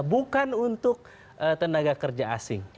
bukan untuk tenaga kerja asing